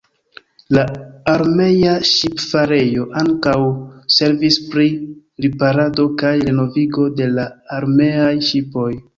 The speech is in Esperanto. La armea ŝipfarejo ankaŭ servis pri riparado kaj renovigo de la armeaj ŝipoj.